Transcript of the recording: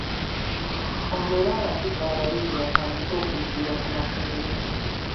Ono era alagidde abayizi batandike okuggyibwa ku masomero